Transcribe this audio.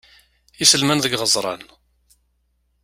Iselman deg izeɣṛan.